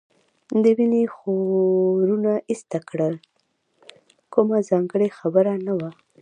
د وینې خورونه ایسته کړل، کومه ځانګړې خبره نه وه.